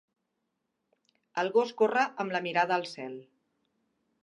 El gos corre amb la mirada al cel.